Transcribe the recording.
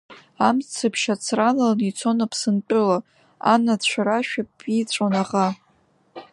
Амцаԥшь ацралан ицон Аԥсынтәыла, анацәа рашәа ԥиҵәон аӷа.